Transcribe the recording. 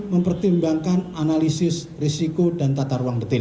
mempertimbangkan analisis risiko dan tata ruang detail